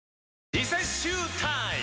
リセッシュータイム！